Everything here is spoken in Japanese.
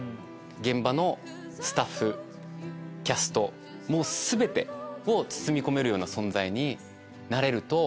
現場のスタッフキャストも全てを包み込めるような存在になれると。